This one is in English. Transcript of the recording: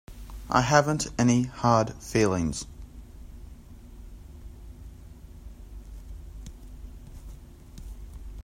I haven't any hard feelings.